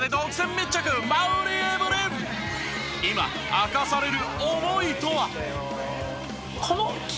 今明かされる思いとは？